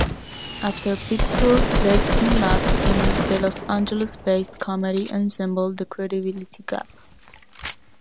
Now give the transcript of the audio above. After Pittsburgh they teamed up in the Los Angeles-based comedy ensemble The Credibility Gap.